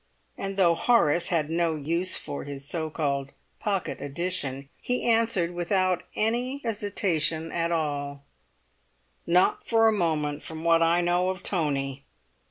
And though Horace had "no use for" his so called pocket edition, he answered without any hesitation at all: "Not for a moment, from what I know of Tony."